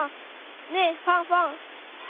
ねえファンファン。